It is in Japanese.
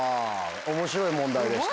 面白い問題でした。